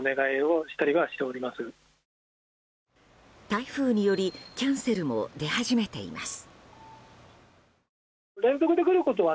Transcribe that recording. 台風によりキャンセルも出始めています。